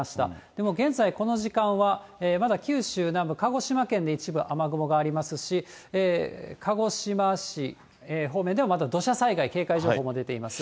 でも、現在この時間は、まだ九州南部、鹿児島県で一部、雨雲がありますし、鹿児島市方面ではまだ土砂災害警戒情報も出ています。